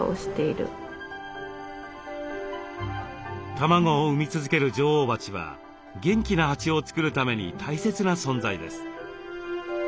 卵を産み続ける女王蜂は元気な蜂を作るために大切な存在です。